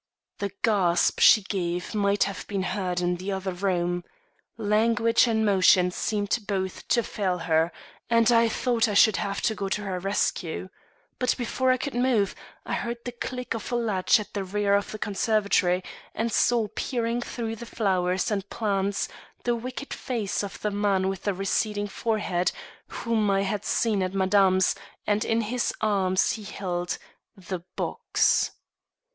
The gasp she gave might have been heard in the other room. Language and motion seemed both to fail her, and I thought I should have to go to her rescue. But before I could move, I heard the click of a latch at the rear of the conservatory, and saw, peering through the flowers and plants, the wicked face of the man with the receding forehead whom I had seen at madame's, and in his arms he held THE BOX.